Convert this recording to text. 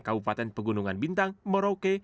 kabupaten pegunungan bintang merauke